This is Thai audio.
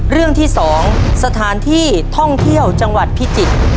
เรื่องที่๒สถานที่ท่องเที่ยวจังหวัดพิจิตร